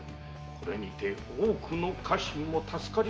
これにて多くの家臣も助かりもうした。